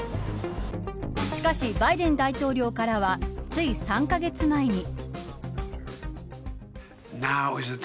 しかし、バイデン大統領からはつい３カ月前に。